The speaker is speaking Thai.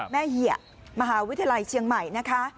เหยะมหาวิทยาลัยเชียงใหม่นะคะ